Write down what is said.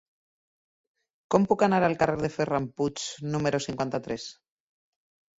Com puc anar al carrer de Ferran Puig número cinquanta-tres?